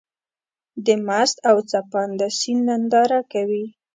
د مست او څپانده سيند ننداره کوې.